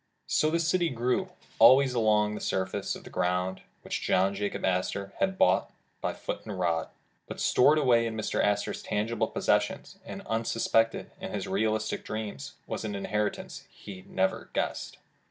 So the city grew, always along the surface of the ground, which John Jacob Astor had bought by foot and rod. But stored awaj^ in Mr. Astor 's tangible pos sessions, and unsuspected in his realistic dreams, was an inheritance he never guessed.